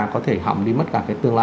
có thể hỏng đi mất cả cái tương lai